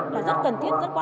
là rất cần thiết cho các em